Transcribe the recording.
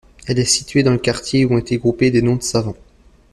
Elle est située dans le quartier où ont été groupés des noms de savants.